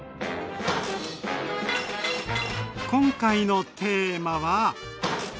今回のテーマは。